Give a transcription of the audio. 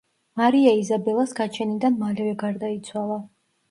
მარია იზაბელას გაჩენიდან მალევე გარდაიცვალა.